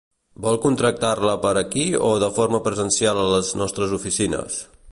Vol contractar-la per aquí, o de forma presencial a les nostres oficines?